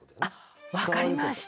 分かりました。